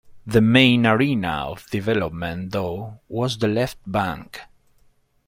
The main arena of development, though, was the left bank.